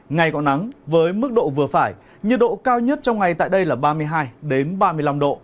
ngày có nắng với mức độ vừa phải nhiệt độ cao nhất trong ngày tại đây là ba mươi hai ba mươi năm độ